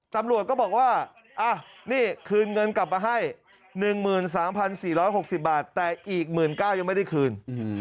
ตำรวจก็บอกว่านี่คืนเงินกลับมาให้๑๓๔๖๐บาทแต่อีก๑๙๐๐ยังไม่ได้คืน